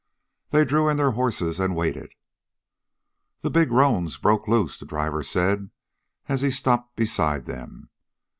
They drew in their horses and waited. "The big roan's broke loose," the driver said, as he stopped beside them.